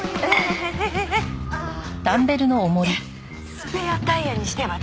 スペアタイヤにしては小さい。